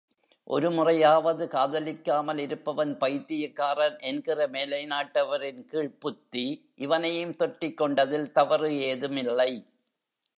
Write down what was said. ஒருமுறையாவது காதலிக்காமல் இருப்பவன் பைத்தியக்காரன்! என்கிற மேலைநாட்டவரின் கீழ்ப்புத்தி இவனையும் தொற்றிக் கொண்டதில் தவறு ஏதும் இல்லை.